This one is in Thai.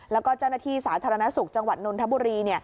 แล้วก็เจ้าหน้าที่สาธารณสุขจังหวัดนนทบุรี